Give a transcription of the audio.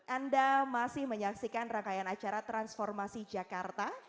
anda masih menyaksikan rangkaian acara transformasi jakarta